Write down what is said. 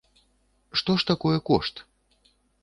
Што ж такое кошт?